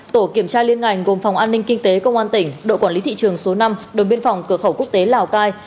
tổ kiểm tra liên ngành gồm phòng an ninh kinh tế công an tỉnh đội quản lý thị trường số năm đồn biên phòng cửa khẩu quốc tế lào cai